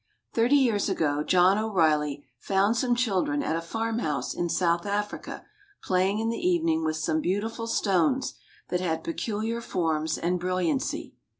Thirty years ago John O'Reilly found some children at a farm house in South Africa playing in the evening with some beautiful stones that had peculiar forms and brilliancy.